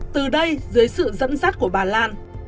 từ đây dưới sự dẫn dắt của bà lan